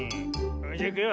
それじゃいくよ。